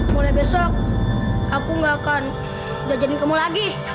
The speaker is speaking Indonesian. mulai besok aku nggak akan jajanin kamu lagi